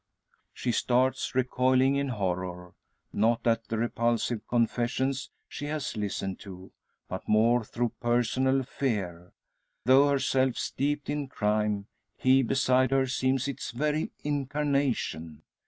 She starts, recoiling in horror. Not at the repulsive confessions she has listened to, but more through personal fear. Though herself steeped in crime, he beside her seems its very incarnation!